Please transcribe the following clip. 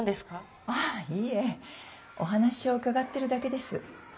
あっいえお話を伺ってるだけです。